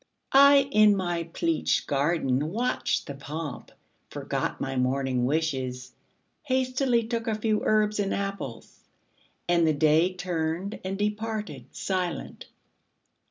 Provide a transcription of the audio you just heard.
I, in my pleached garden, watched the pomp, Forgot my morning wishes, hastily Took a few herbs and apples, and the Day Turned and departed silent.